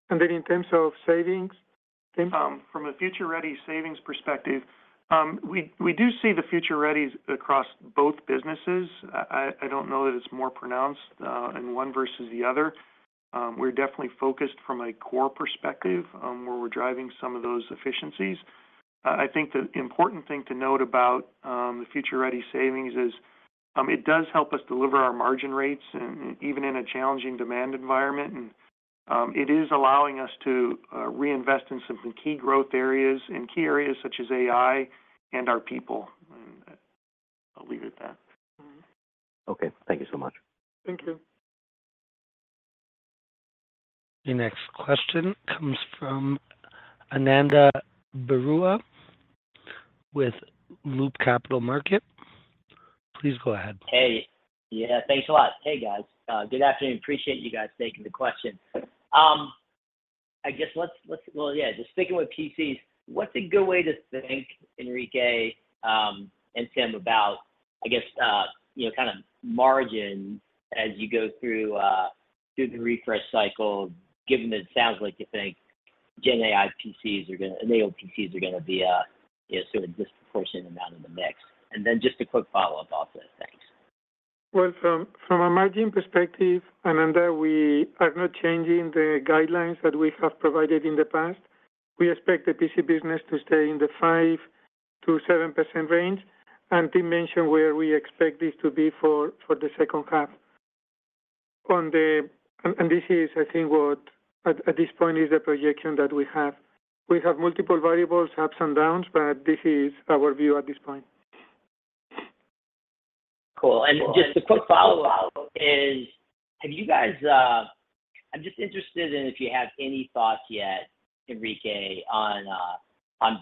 Speaker 3: And then in terms of savings, Tim?
Speaker 4: From a Future Ready savings perspective, we do see the Future Ready across both businesses. I don't know that it's more pronounced in one versus the other. We're definitely focused from a core perspective, where we're driving some of those efficiencies. I think the important thing to note about the Future Ready savings is it does help us deliver our margin rates, and even in a challenging demand environment, it is allowing us to reinvest in some key growth areas, in key areas such as AI and our people. I'll leave it at that.
Speaker 8: Okay. Thank you so much.
Speaker 3: Thank you.
Speaker 1: The next question comes from Ananda Baruah with Loop Capital Markets. Please go ahead.
Speaker 9: Hey. Yeah, thanks a lot. Hey, guys. Good afternoon. Appreciate you guys taking the question. I guess... Well, yeah, just sticking with PCs, what's a good way to think, Enrique, and Tim, about, I guess, you know, kind of margin as you go through, through the refresh cycle, given that it sounds like you think Gen AI PCs are gonna - AI PCs are gonna be a, you know, sort of disproportionate amount in the mix? And then just a quick follow-up after that. Thanks.
Speaker 3: Well, from a margin perspective, Ananda, we are not changing the guidelines that we have provided in the past. We expect the PC business to stay in the 5%-7% range, and Tim mentioned where we expect this to be for the second half. And this is, I think, what at this point is the projection that we have. We have multiple variables, ups and downs, but this is our view at this point.
Speaker 9: Cool. And just a quick follow-up is, have you guys... I'm just interested in if you have any thoughts yet, Enrique, on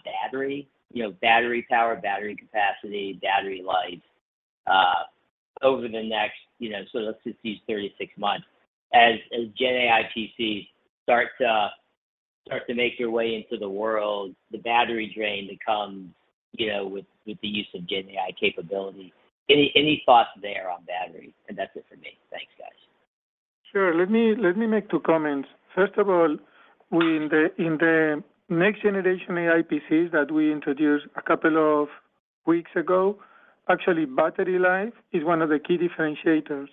Speaker 9: battery? You know, battery power, battery capacity, battery life, over the next, you know, so let's just use 36 months. As Gen AI PCs start to make their way into the world, the battery drain that comes, you know, with the use of Gen AI capability. Any thoughts there on battery? And that's it for me. Thanks, guys.
Speaker 3: Sure. Let me, let me make two comments. First of all, we're in the next generation AI PCs that we introduced a couple of weeks ago. Actually, battery life is one of the key differentiators.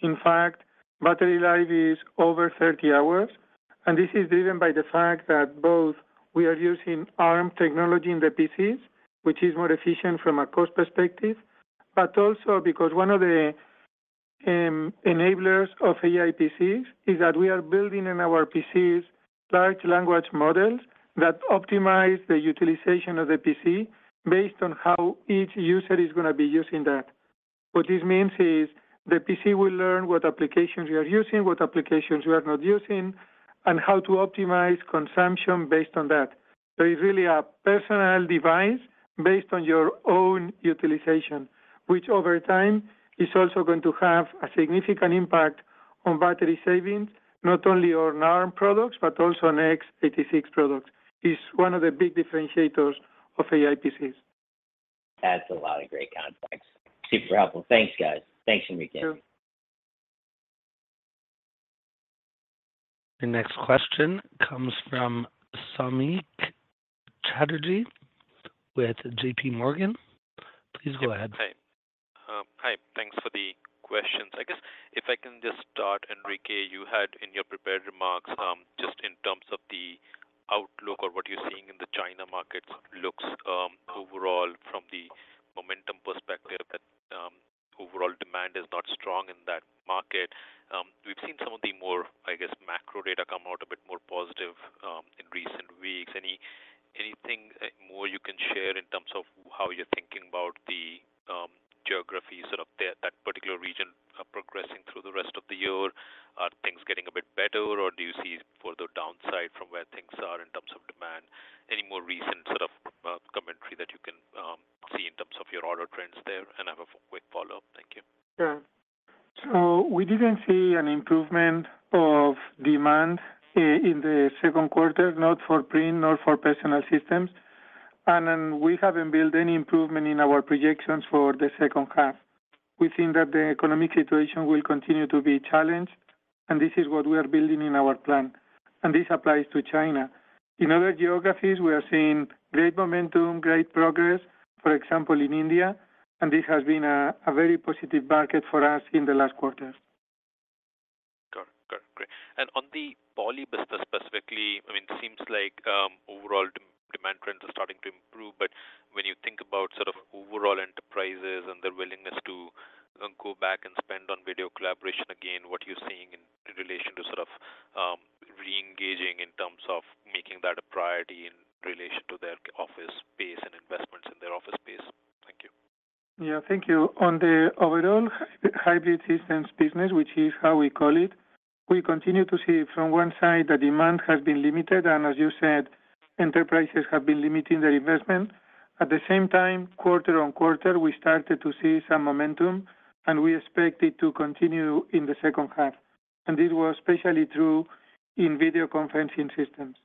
Speaker 3: In fact, battery life is over 30 hours, and this is driven by the fact that both we are using ARM technology in the PCs, which is more efficient from a cost perspective, but also because one of the enablers of AI PCs is that we are building in our PCs large language models that optimize the utilization of the PC based on how each user is gonna be using that. What this means is the PC will learn what applications you are using, what applications you are not using, and how to optimize consumption based on that. So it's really a personal device based on your own utilization, which over time, is also going to have a significant impact on battery savings, not only on our ARM products, but also on x86 products. It's one of the big differentiators of AI PCs.
Speaker 9: That's a lot of great context. Super helpful. Thanks, guys. Thanks, Enrique.
Speaker 3: Sure.
Speaker 1: The next question comes from Samik Chatterjee with JPMorgan. Please go ahead.
Speaker 10: Hi, thanks for the questions. I guess if I can just start, Enrique, you had in your prepared remarks, just in terms of the outlook or what you're seeing in the China market looks, overall from the momentum perspective, that overall demand is not strong in that market. We've seen some of the more, I guess, macro data come out a bit more positive, in recent weeks. Anything more you can share in terms of how you're thinking about the, geography, sort of, that, that particular region, progressing through the rest of the year? Are things getting a bit better, or do you see further downside from where things are in terms of demand? Any more recent sort of, commentary that you can see in terms of your order trends there? And I have a quick follow-up. Thank you.
Speaker 3: Sure. So we didn't see an improvement of demand in the second quarter, not for Print, nor for Personal Systems. And then we haven't built any improvement in our projections for the second half. We think that the economic situation will continue to be challenged, and this is what we are building in our plan, and this applies to China. In other geographies, we are seeing great momentum, great progress, for example, in India, and this has been a very positive market for us in the last quarters.
Speaker 10: Got it. Got it. Great. And on the Poly business specifically, I mean, it seems like overall demand trends are starting to improve, but when you think about sort of overall enterprises and their willingness to go back and spend on video collaboration, again, what you're seeing in relation to sort of reengaging in terms of making that a priority in relation to their office space and investments in their office space? Thank you.
Speaker 3: Yeah, thank you. On the overall Hybrid Systems business, which is how we call it, we continue to see from one side, the demand has been limited, and as you said, enterprises have been limiting their investment. At the same time, quarter-over-quarter, we started to see some momentum, and we expect it to continue in the second half, and this was especially true in video conferencing systems.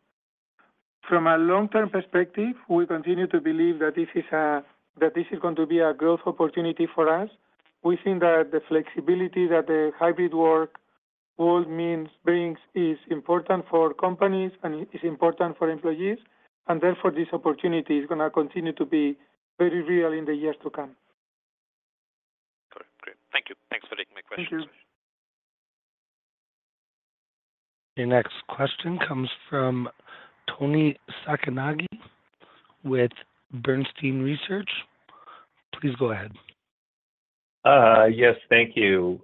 Speaker 3: From a long-term perspective, we continue to believe that this is a, that this is going to be a growth opportunity for us. We think that the flexibility that the hybrid work world means brings is important for companies and is important for employees, and therefore, this opportunity is gonna continue to be very real in the years to come.
Speaker 10: Got it. Great. Thank you. Thanks for taking my question.
Speaker 3: Thank you.
Speaker 1: Your next question comes from Toni Sacconaghi with Bernstein Research. Please go ahead.
Speaker 11: Yes, thank you.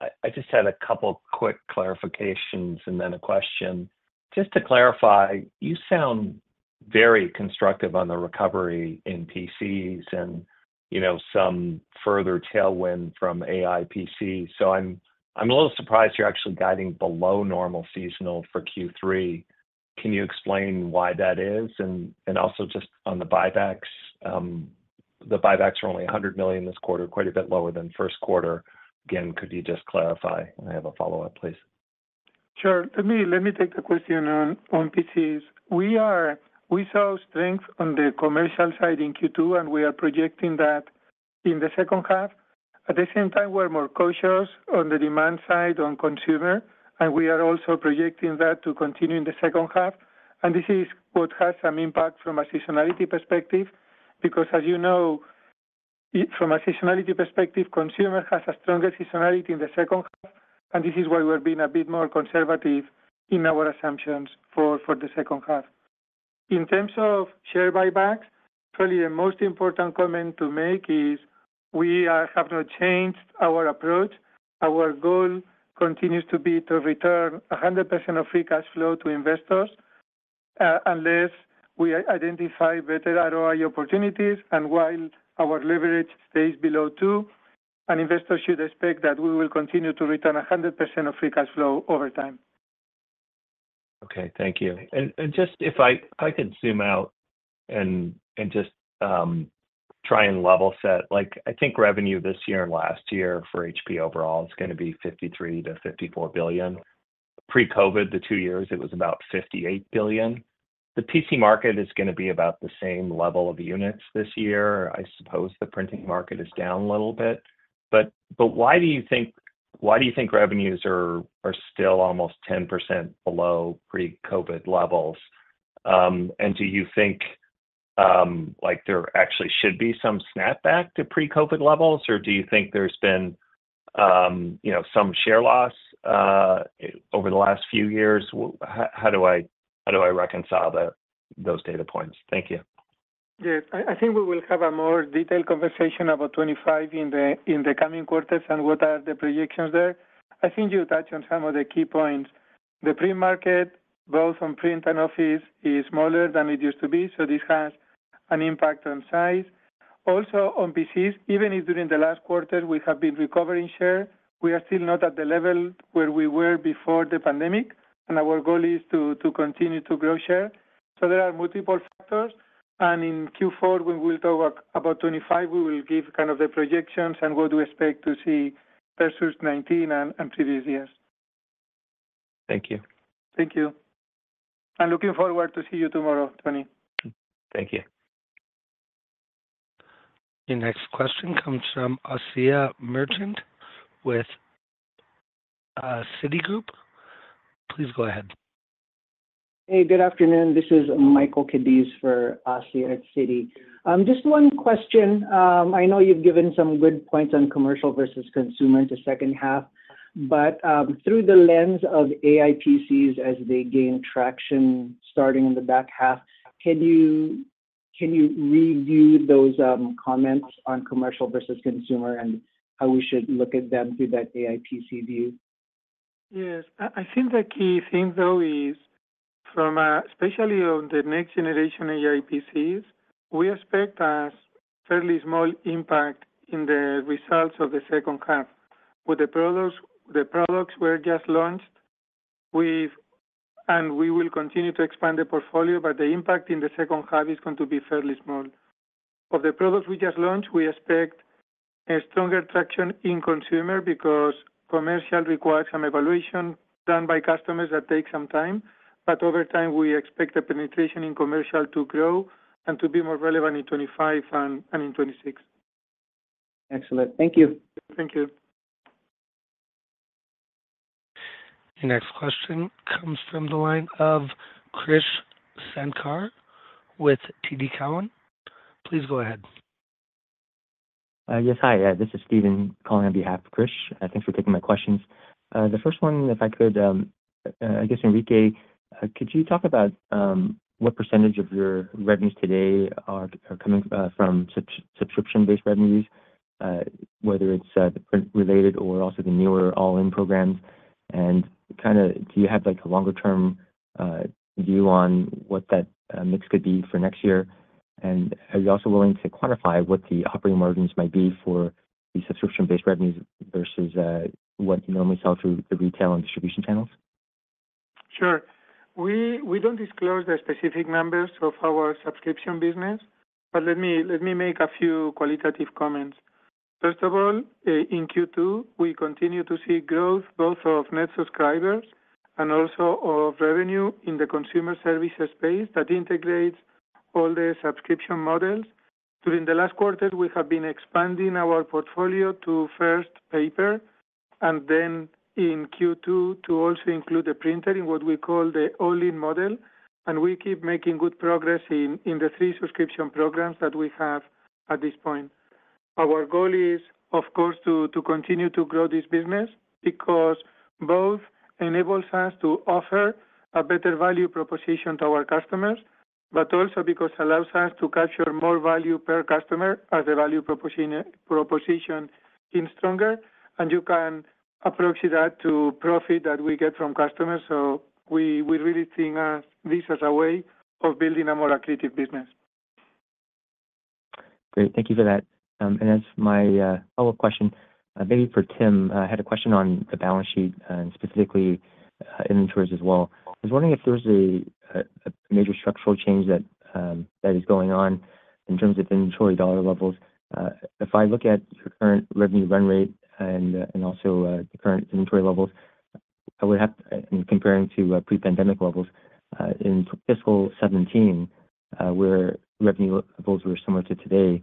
Speaker 11: I just had a couple quick clarifications and then a question. Just to clarify, you sound very constructive on the recovery in PCs and, you know, some further tailwind from AI PCs. So I'm a little surprised you're actually guiding below normal seasonal for Q3. Can you explain why that is? And also just on the buybacks, the buybacks are only $100 million this quarter, quite a bit lower than first quarter. Again, could you just clarify? I have a follow-up, please.
Speaker 3: Sure. Let me take the question on PCs. We saw strength on the commercial side in Q2, and we are projecting that in the second half. At the same time, we're more cautious on the demand side on consumer, and we are also projecting that to continue in the second half. And this is what has some impact from a seasonality perspective, because as you know, from a seasonality perspective, consumer has a stronger seasonality in the second half, and this is why we're being a bit more conservative in our assumptions for the second half. In terms of share buybacks, probably the most important comment to make is we have not changed our approach. Our goal continues to be to return 100% of free cash flow to investors, unless we identify better ROI opportunities, and while our leverage stays below two, and investors should expect that we will continue to return 100% of free cash flow over time.
Speaker 11: Okay. Thank you. And just, if I could zoom out and just try and level set, like, I think revenue this year and last year for HP overall is gonna be $53 billion-$54 billion. Pre-COVID, the two years, it was about $58 billion. The PC market is gonna be about the same level of units this year. I suppose the printing market is down a little bit. But why do you think, why do you think revenues are still almost 10% below pre-COVID levels? And do you think, like there actually should be some snapback to pre-COVID levels, or do you think there's been, you know, some share loss over the last few years? How do I reconcile those data points? Thank you.
Speaker 3: Yes. I, I think we will have a more detailed conversation about 2025 in the, in the coming quarters and what are the projections there. I think you touched on some of the key points. The pre-market, both on print and office, is smaller than it used to be, so this has an impact on size. Also on PCs, even if during the last quarter we have been recovering share, we are still not at the level where we were before the pandemic, and our goal is to, to continue to grow share. So there are multiple factors. And in Q4, when we will talk about 2025, we will give kind of the projections and what we expect to see versus 2019 and, and previous years.
Speaker 11: Thank you.
Speaker 3: Thank you. I'm looking forward to see you tomorrow, Toni.
Speaker 11: Thank you.
Speaker 1: Your next question comes from Asiya Merchant with Citigroup, please go ahead.
Speaker 12: Hey, good afternoon. This is Michael Cadiz for us here at Citi. Just one question. I know you've given some good points on commercial versus consumer in the second half, but through the lens of AI PCs as they gain traction starting in the back half, can you, can you review those comments on commercial versus consumer and how we should look at them through that AI PC view?
Speaker 3: Yes. I, I think the key thing, though, is from, especially on the next generation AI PCs, we expect a fairly small impact in the results of the second half. With the products, the products were just launched with-- and we will continue to expand the portfolio, but the impact in the second half is going to be fairly small. Of the products we just launched, we expect a stronger traction in consumer because commercial requires some evaluation done by customers that take some time, but over time, we expect the penetration in commercial to grow and to be more relevant in 2025 and, and in 2026.
Speaker 12: Excellent. Thank you.
Speaker 3: Thank you.
Speaker 1: The next question comes from the line of Krish Sankar with TD Cowen. Please go ahead.
Speaker 13: Yes, hi. This is Steven calling on behalf of Krish. Thanks for taking my questions. The first one, if I could, I guess, Enrique, could you talk about what percentage of your revenues today are coming from subscription-based revenues, whether it's print related or also the newer all-in programs? And kind of, do you have, like, a longer term view on what that mix could be for next year? And are you also willing to quantify what the operating margins might be for the subscription-based revenues versus what you normally sell through the retail and distribution channels?
Speaker 3: Sure. We don't disclose the specific numbers of our subscription business, but let me make a few qualitative comments. First of all, in Q2, we continue to see growth both of net subscribers and also of revenue in the consumer services space that integrates all the subscription models. During the last quarter, we have been expanding our portfolio to first paper, and then in Q2, to also include the printer in what we call the all-in model, and we keep making good progress in the three subscription programs that we have at this point. Our goal is, of course, to continue to grow this business because both enables us to offer a better value proposition to our customers, but also because allows us to capture more value per customer as the value proposition seems stronger, and you can approximate that to profit that we get from customers. So we really think of this as a way of building a more accretive business.
Speaker 13: Great. Thank you for that. And as my follow-up question, maybe for Tim, I had a question on the balance sheet, and specifically, inventories as well. I was wondering if there was a major structural change that is going on in terms of inventory dollar levels. If I look at your current revenue run rate and also the current inventory levels, I would have, in comparing to pre-pandemic levels, in fiscal 2017, where revenue levels were similar to today,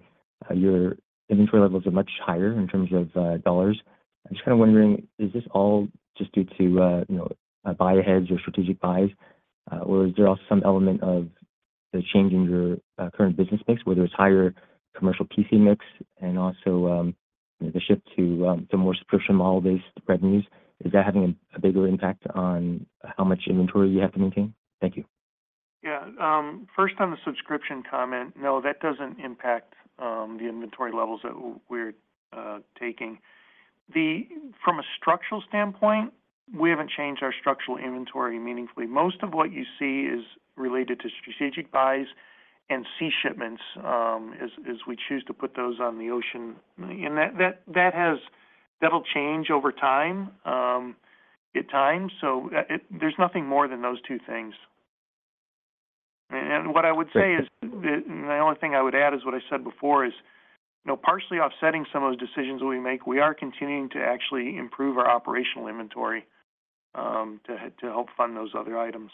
Speaker 13: your inventory levels are much higher in terms of dollars. I'm just kind of wondering, is this all just due to you know buy ahead or strategic buys, or is there also some element of the change in your current business mix, where there's higher commercial PC mix and also the shift to to more subscription model-based revenues? Is that having a bigger impact on how much inventory you have to maintain? Thank you.
Speaker 4: Yeah, first on the subscription comment, no, that doesn't impact the inventory levels that we're taking. From a structural standpoint, we haven't changed our structural inventory meaningfully. Most of what you see is related to strategic buys and sea shipments, as we choose to put those on the ocean. And that has... That'll change over time, at times, so it- there's nothing more than those two things. And what I would say is, the only thing I would add is what I said before, is, you know, partially offsetting some of the decisions we make, we are continuing to actually improve our operational inventory, to help fund those other items.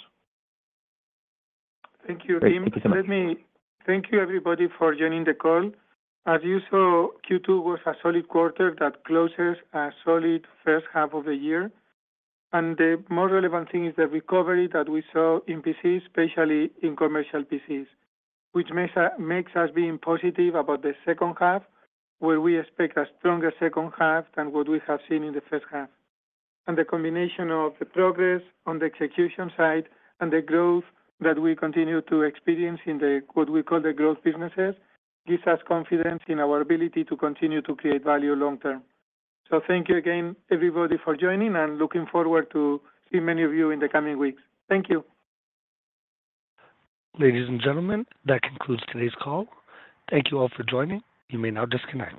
Speaker 3: Thank you, Tim.
Speaker 13: Great. Thank you so much.
Speaker 3: Let me thank you, everybody, for joining the call. As you saw, Q2 was a solid quarter that closes a solid first half of the year. The more relevant thing is the recovery that we saw in PCs, especially in commercial PCs, which makes us being positive about the second half, where we expect a stronger second half than what we have seen in the first half. The combination of the progress on the execution side and the growth that we continue to experience in the, what we call the Growth Businesses, gives us confidence in our ability to continue to create value long term. Thank you again, everybody, for joining, and looking forward to see many of you in the coming weeks. Thank you.
Speaker 1: Ladies, and gentlemen, that concludes today's call. Thank you all for joining. You may now disconnect.